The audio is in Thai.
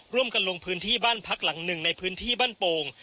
ลงพื้นที่บ้านพักหลังหนึ่งในพื้นที่บ้านโป่ง